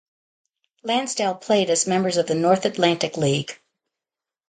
Lansdale played as members of the North Atlantic League.